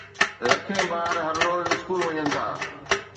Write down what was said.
لکين ٻار هر روز اسڪول وڃن ٿا.